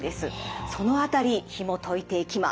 その辺りひもといていきます。